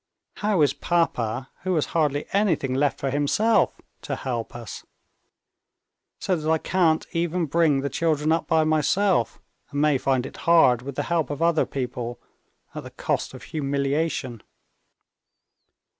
How is papa, who has hardly anything left for himself, to help us? So that I can't even bring the children up by myself, and may find it hard with the help of other people, at the cost of humiliation.